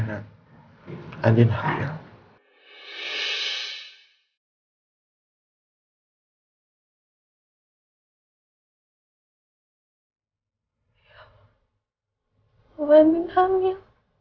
sampai jumpa di video selanjutnya